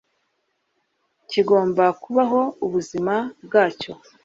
kigomba kubaho ubuzima bwacyo